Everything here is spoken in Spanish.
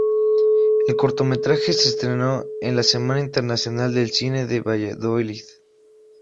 El cortometraje se estrenó en la Semana Internacional de Cine de Valladolid.